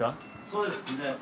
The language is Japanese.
そうですね。